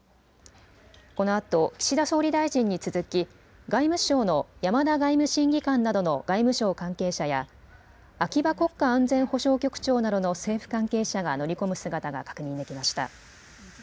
このあと岸田総理大臣に続き外務省の山田外務審議官などの外務省関係者や秋葉国家安全保障局長などの政府関係者が乗り込む姿が確認できました。